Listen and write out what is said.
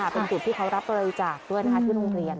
เป็นจุดที่เขารับตัวเลยจากเพื่อนที่โรงเรียนค่ะ